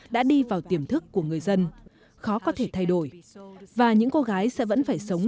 đã đi vào tiềm thức của người dân khó có thể thay đổi và những cô gái sẽ vẫn phải sống